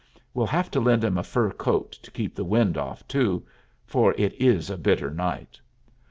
We'll have to lend him a fur coat to keep the wind off, too, for it is a bitter night."